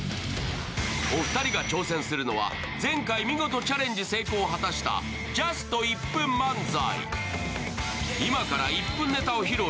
お二人が挑戦するのは前回、見事チャレンジ成功を果たしたジャスト１分漫才。